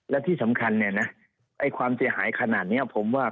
และที่สำคัญเนี่ยนะไอ้ความเสียหายขนาดนี้ผมว่า